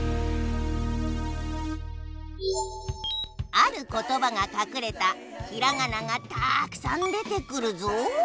あることばがかくれたひらがながたくさん出てくるぞ。